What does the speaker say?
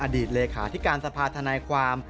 อดีตเลขาที่การสะพาดธนายความ